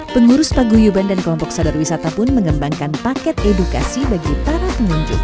pengurus paguyuban dan kelompok sadar wisata pun mengembangkan paket edukasi bagi para pengunjung